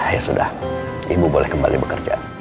ya sudah ibu boleh kembali bekerja